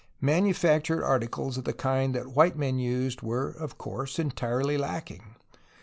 Manufactured articles of the kind that white men used were, of course, entirely lacking.